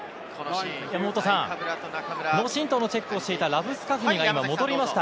脳しんとうのチェックをしていたラブスカフニが戻りました。